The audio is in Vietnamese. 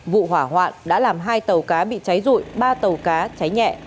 vụ hỏa hoạn đã làm hai tàu cá bị cháy rụi ba tàu cá cháy nhẹ